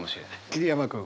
桐山君。